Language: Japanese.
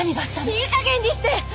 いい加減にして！